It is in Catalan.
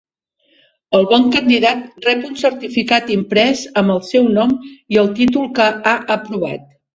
El bon candidat rep un certificat imprès amb el seu nom i el títol que ha aprovat.